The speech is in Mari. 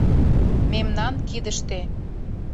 Мемнан кидыште